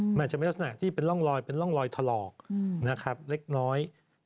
มันอาจจะมีลักษณะที่เป็นร่องรอยเป็นร่องรอยถลอกนะครับเล็กน้อย